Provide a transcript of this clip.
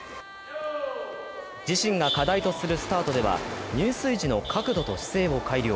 自身が課題とするスタートでは入水時の角度と姿勢を改良。